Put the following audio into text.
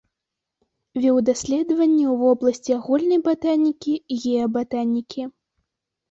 Вёў даследаванні ў вобласці агульнай батанікі, геабатанікі.